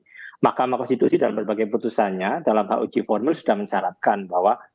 pembangunan konstitusi dalam berbagai putusannya dalam hug formil sudah mencaratkan bahwa